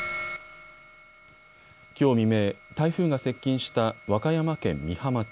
きょう未明、台風が接近した和歌山県美浜町。